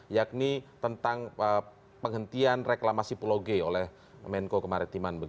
yakni tentang penghentian reklamasi pulau g oleh menko kemaritiman